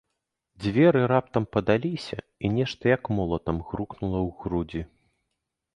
Дзверы раптам падаліся, і нешта, як молатам, грукнула ў грудзі.